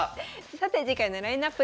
さて次回のラインナップです。